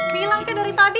bilang kan dari tadi